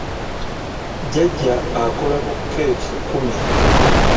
Jjajja akola bu keeki kkumi.